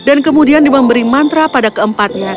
dan kemudian diberi mantra pada keempatnya